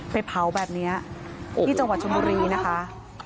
ไปเผาแบบนี้ที่จังหวัดชนบุรีนะคะ